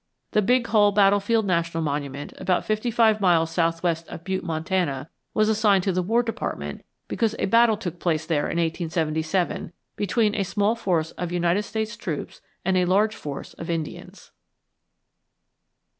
The Big Hole Battlefield National Monument, about fifty five miles southwest of Butte, Montana, was assigned to the War Department because a battle took place there in 1877 between a small force of United States troops and a large force of Indians.